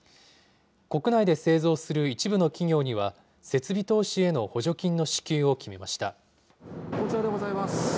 国内で製造する一部の企業には、設備投資への補助金の支給を決めました。